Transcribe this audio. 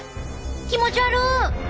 気持ち悪！